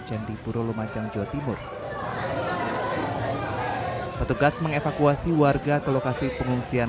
candipuro lumajang jawa timur petugas mengevakuasi warga ke lokasi pengungsian